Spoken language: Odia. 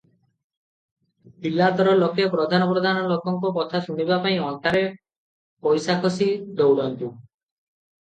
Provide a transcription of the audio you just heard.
ବିଲାତର ଲୋକେ ପ୍ରଧାନ ପ୍ରଧାନ ଲୋକଙ୍କ କଥା ଶୁଣିବାପାଇଁ ଅଣ୍ଟାରେ ପଇସା ଖୋସି ଦଉଡ଼ନ୍ତି ।